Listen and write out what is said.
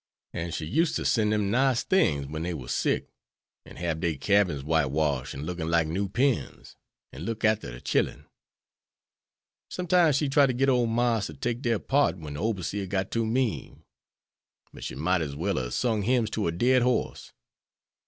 An' she used to sen' dem nice things when they war sick, and hab der cabins whitewashed an' lookin' like new pins, an' look arter dere chillen. Sometimes she'd try to git ole Marse to take dere part when de oberseer got too mean. But she might as well a sung hymns to a dead horse.